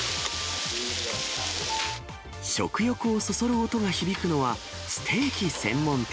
食欲をそそる音が響くのは、ステーキ専門店。